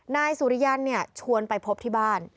นายสุริยันชวนไปพบที่บ้าน